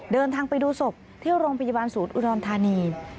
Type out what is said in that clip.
เดินทางไปดูศพที่โรงพยาบาลศูนย์อุดรธานี